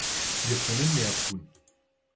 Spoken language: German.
Wir können mehr tun.